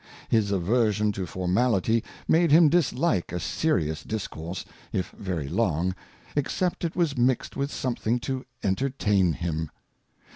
His aversion to Formality made him dislike a serious Discourse, if very long, except it was mixed with something to entertain him.